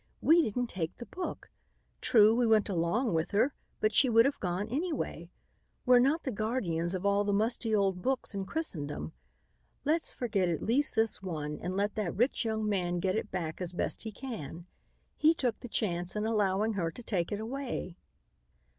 We didn't take the book. True, we went along with her, but she would have gone anyway. We're not the guardians of all the musty old books in Christendom. Let's forget at least this one and let that rich young man get it back as best he can. He took the chance in allowing her to take it away."